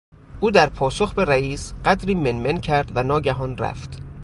او در پاسخ به رئیس قدری من من کرد و ناگهان رفت.